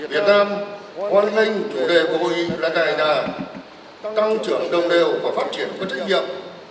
việt nam hoan nghênh chủ đề của hội nghị lần này là tăng trưởng đồng đều và phát triển có trách nhiệm